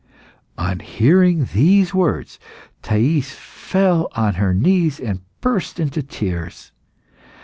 On hearing these words, Thais fell on her knees, and burst into tears.